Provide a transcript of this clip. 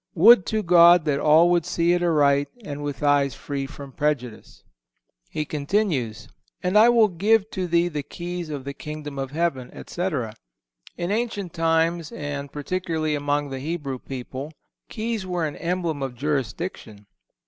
Would to God that all would see it aright and with eyes free from prejudice. He continues: "And I will give to thee the keys of the Kingdom of Heaven," etc. In ancient times, and particularly among the Hebrew people, keys were an emblem of jurisdiction.